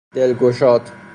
دلگشاد